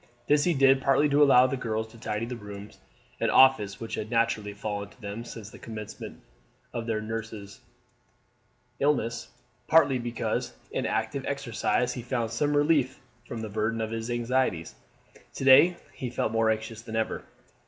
This he did partly to allow the girls to tidy the rooms, an office which had naturally fallen to them since the commencement of their old nurse's illness; partly because in active exercise he found some relief from the burden of his anxieties. To day he felt more anxious than ever.